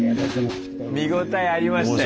見応えありましたよ。